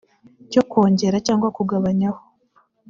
cyo kwongera cyangwa kugabanyaho